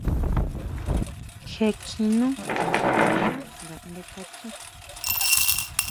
Jé kjín nú nga kisixá ngaʼnde kachan.